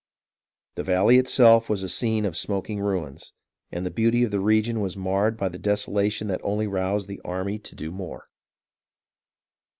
The valley itself was a scene of smoking ruins, and the beauty of the region was marred by the desolation that only roused the army to do more.